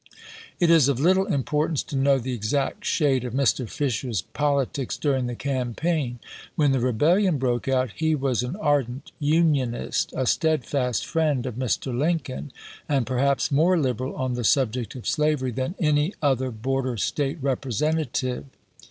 It is of little importance to know the exact shade of Mr. Fisher's politics during the campaign; when the rebellion broke out he was an ardent Unionist, a steadfast friend of Mr. Lincoln, and perhaps more liberal on the subject of slavery than any other border State Representative.